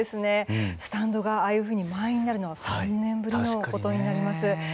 スタンドがああいうふうに満員になるのは３年ぶりのことになります。